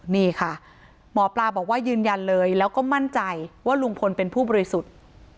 นี่ค่ะหมอปลาบอกว่ายืนยันเลยแล้วก็มั่นใจว่าลุงพลเป็นผู้บริสุทธิ์